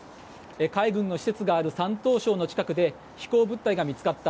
海軍の施設がある山東省の施設で飛行物体が見つかった。